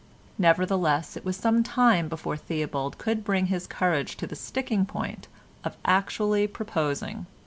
Nevertheless, it was some time before Theobald could bring his courage to the sticking point of actually proposing.